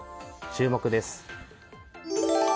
注目です。